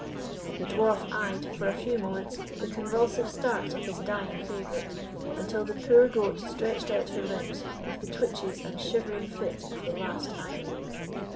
The Dwarf eyed, for a few moments, the convulsive starts of his dying favourite, until the poor goat stretched out her limbs with the twitches and shivering fit of the last agony.